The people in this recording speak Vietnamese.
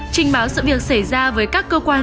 trình báo sự việc xảy ra với các cơ quan